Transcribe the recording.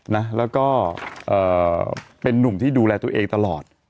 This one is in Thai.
แล้วก็เป็นนุ่มที่ดูแลตัวเองตลอด